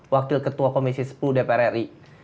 wakil ketua komisi sepuluh dpr ri